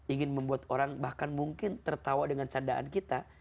ingin membuat orang bahkan mungkin tertawa dengan candaan kita